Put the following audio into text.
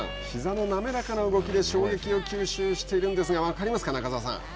ひざの滑らかな動きで衝撃を吸収しているのが分かりますか、中澤さん。